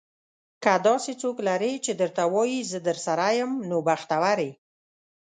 که داسې څوک لرې چې درته وايي, زه درسره یم. نو بختور یې.